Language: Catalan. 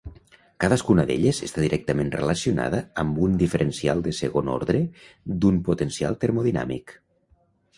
Cadascuna d'elles està directament relacionada amb un diferencial de segon ordre d'un potencial termodinàmic.